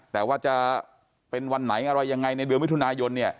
แต่ว่าจะเป็นวันไหนอะไรยังไงในเดือนมิถุนายนเนี่ย